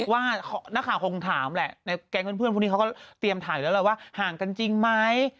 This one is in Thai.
ว่านักข่าวคงถามแหละในแก๊งเพื่อนพวกนี้เขาก็เตรียมถ่ายแล้วแหละว่าห่างกันจริงไหม